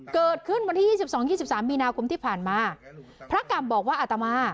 เกิดขึ้นวันที่ยี่สิบสองยี่สิบสามมีนาคมที่ผ่านมาพระกรรมบอกว่าอาตมา